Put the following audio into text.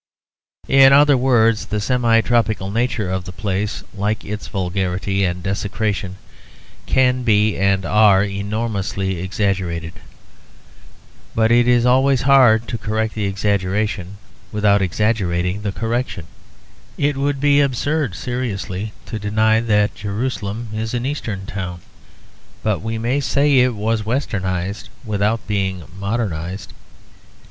In other words, the semi tropical nature of the place, like its vulgarity and desecration, can be, and are, enormously exaggerated. But it is always hard to correct the exaggeration without exaggerating the correction. It would be absurd seriously to deny that Jerusalem is an Eastern town; but we may say it was Westernised without being modernised.